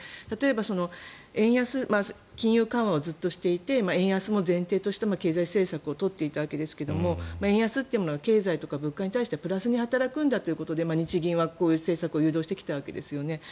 例えば金融緩和をずっとしていて円安も前提として経済政策を取っていたわけですが円安というものが経済とか物価に対してプラスに働くんだということで日銀はこういう政策を誘導してきたわけですよね。